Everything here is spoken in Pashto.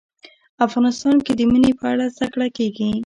افغانستان کې د منی په اړه زده کړه کېږي.